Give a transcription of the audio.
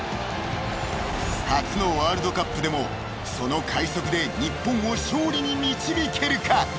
［初のワールドカップでもその快足で日本を勝利に導けるか！？］